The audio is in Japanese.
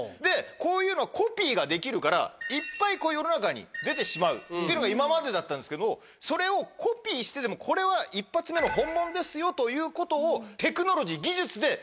こういうのはコピーができるからいっぱい。っていうのが今までだったんですけどそれをコピーしてでもこれは１発目の本物ですよということをテクノロジー。